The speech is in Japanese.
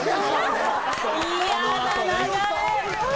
嫌な流れ。